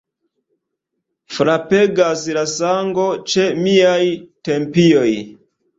Frapegas la sango ĉe miaj tempioj.